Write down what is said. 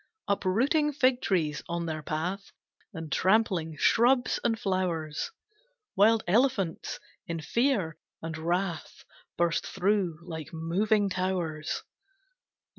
Uprooting fig trees on their path, And trampling shrubs and flowers, Wild elephants, in fear and wrath, Burst through, like moving towers.